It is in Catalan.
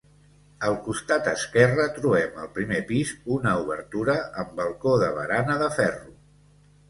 Al costat esquerre trobem al primer pis una obertura amb balcó de barana de ferro.